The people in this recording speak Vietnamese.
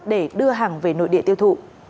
để đưa hàng về nội địa tiêu thụ